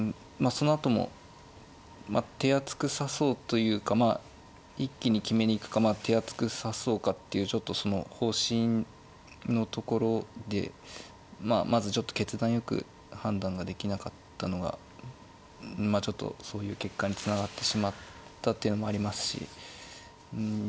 そのあとも手厚く指そうというかまあ一気に決めに行くか手厚く指そうかっていうちょっとその方針のところでまあまずちょっと決断よく判断ができなかったのがまあちょっとそういう結果につながってしまったっていうのもありますしうん